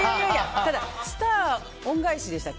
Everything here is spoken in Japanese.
ただ「スター恩返し」でしたっけ。